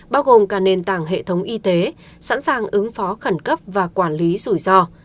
bao gồm cả nền tảng hệ thống y tế sẵn sàng ứng phó khẩn cấp và quản lý rủi ro